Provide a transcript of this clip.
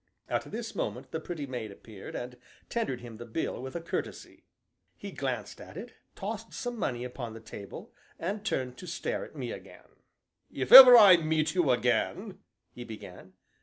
At this moment the pretty maid appeared, and tendered him the bill with a curtesy. He glanced at it, tossed some money upon the table, and turned to stare at me again. "If ever I meet you again " he began.